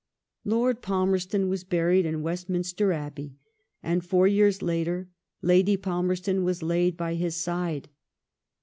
Lord Palmerston was buried in Westminster Abbey, and four years later Lady Palmerston was laid by bis side.